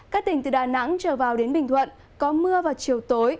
các tỉnh từ đà nẵng trở vào đến bình thuận có mưa vào chiều tối